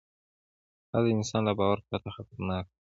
دا د انسان له باور پرته خطرناکه ده.